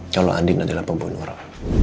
kalau andin adalah pembunuh